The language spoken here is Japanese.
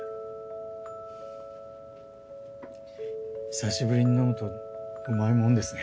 久しぶりに飲むとうまいもんですね。